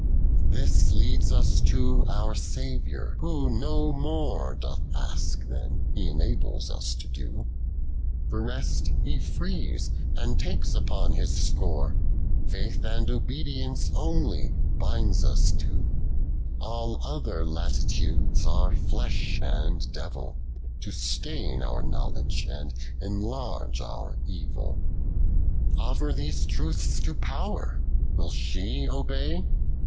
This lends us to our Saviour, "Who no more Doth nsk then' He enables us to do ; The rest He freof^, and takes upon His scon Faith and obedience oncly biniT i us to : All other lulitudes are flesh an.l devil. To stain our knowledge ami ciilarKe our i ' OF RELIGIOX. 275 106. Offer these truths to Pow'r, will she obey